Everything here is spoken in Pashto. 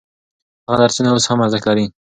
هغه درسونه اوس هم ارزښت لري.